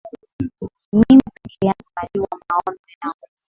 Mimi peke yangu najua maono yangu.